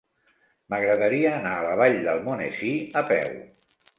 M'agradaria anar a la Vall d'Almonesir a peu.